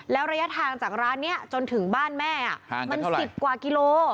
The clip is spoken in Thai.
แล้วระยะทางจากร้านนี้จนถึงบ้านแม่มัน๑๐กว่ากิโล